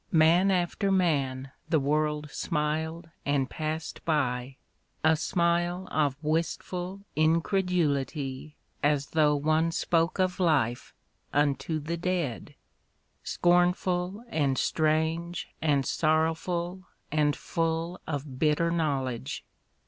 Man after man the world smil'd and passed by, A smile of wistful incredulity As though one spoke of life unto the dead — Scornful, and strange, and sorrowful, and full Of bitter knowledge.